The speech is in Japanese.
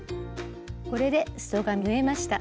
これですそが縫えました。